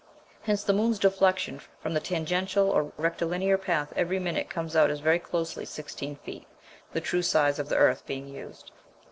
Hence the moon's deflection from the tangential or rectilinear path every minute comes out as very closely 16 feet (the true size of the earth being used).